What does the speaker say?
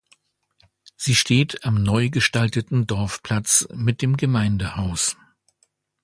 Sie steht am neu gestalteten Dorfplatz mit dem Gemeindehaus.